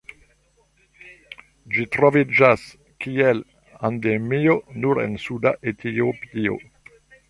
Ĝi troviĝas kiel endemio nur en suda Etiopio.